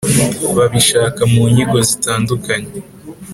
Babishaka mu nyigo zitandukanye